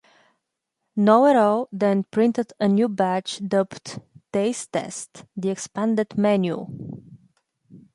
Know-It-All then printed a new batch dubbed "Taste Test: The Expanded Menu".